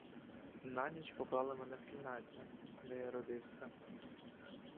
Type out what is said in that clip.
На ніч поклали мене в кімнаті, де я родився.